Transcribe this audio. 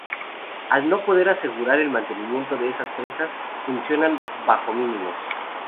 Al no poder asegurar el mantenimiento de esas presas, funcionan bajo mínimos.